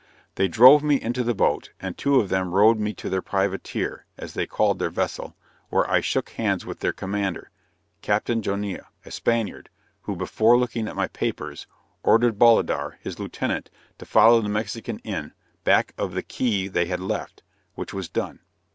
They drove me into the boat, and two of them rowed me to their privateer (as they called their vessel), where I shook hands with their commander, Captain Jonnia, a Spaniard, who before looking at my papers, ordered Bolidar, his lieutenant, to follow the Mexican in, back of the Key they had left, which was done.